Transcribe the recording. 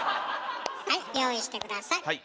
はい用意して下さい。